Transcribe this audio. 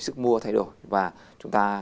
sự mua thay đổi và chúng ta